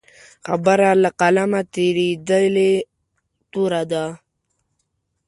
خبره له قلمه تېرېدلې توره ده.